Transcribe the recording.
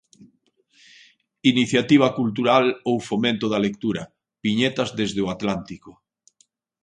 Iniciativa cultural ou fomento da lectura: Viñetas desde o Atlántico.